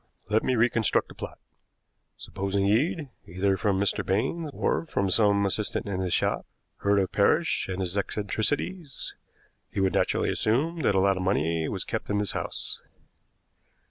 Let me reconstruct the plot. Supposing Eade, either from Mr. Baines or from some assistant in his shop, heard of Parrish and his eccentricities, he would naturally assume that a lot of money was kept in this house.